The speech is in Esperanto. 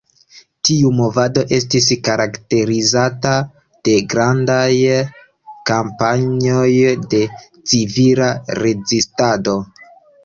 Tiu movado estis karakterizata de grandaj kampanjoj de civila rezistado.